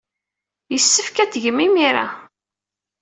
Yessefk ad t-tgem imir-a.